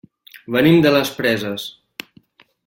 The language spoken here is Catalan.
Venim de les Preses.